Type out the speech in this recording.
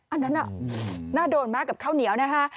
อันนั้นน่าโดนมากกับข้าวเหนียวนะฮะ